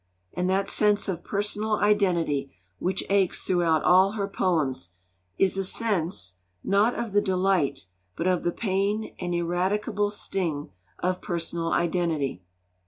And that sense of personal identity which aches throughout all her poems is a sense, not of the delight, but of the pain and ineradicable sting of personal identity.